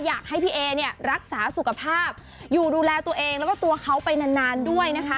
อยากให้พี่เอเนี่ยรักษาสุขภาพอยู่ดูแลตัวเองแล้วก็ตัวเขาไปนานด้วยนะคะ